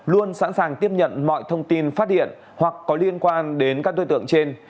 luôn sẵn sàng tiếp nhận mọi thông tin phát hiện hoặc có liên quan đến các đối tượng trên